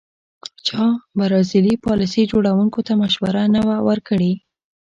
چا برازیلي پالیسي جوړوونکو ته مشوره نه وه ورکړې.